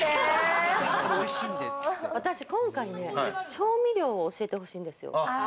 私、今回ね、調味料を教えてほしいんですよ。